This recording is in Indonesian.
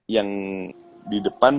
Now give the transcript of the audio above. yang di depan